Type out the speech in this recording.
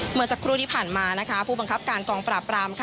เหมือนจะครัวที่ผ่านมาพูดบังกับการกองปรับปราม